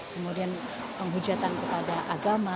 kemudian penghujatan kepada agama